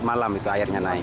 malam itu airnya naik